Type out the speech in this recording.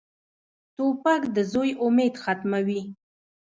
توپک د زوی امید ختموي.